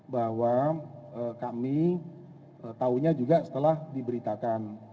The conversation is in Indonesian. bahwa kami tahunya juga setelah diberitakan